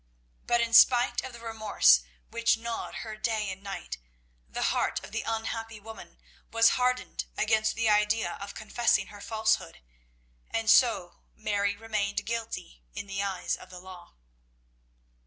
But in spite of the remorse which gnawed her day and night, the heart of the unhappy woman was hardened against the idea of confessing her falsehood, and so Mary remained guilty in the eyes of the law.